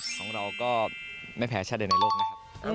ของนเราก็มันไม่แพ้ชาเด็นในโลกนะครับ